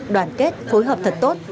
đoàn kết phối hợp thật tốt